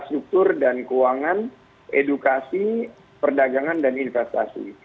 struktur dan keuangan edukasi perdagangan dan investasi